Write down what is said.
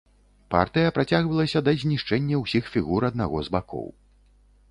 Партыя працягвалася да знішчэння ўсіх фігур аднаго з бакоў.